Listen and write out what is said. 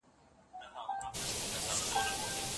مینمنه